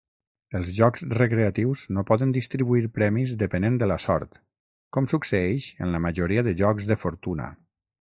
Els jocs recreatius no poden distribuir premis depenent de la sort, com succeeix en la majoria de jocs de fortuna.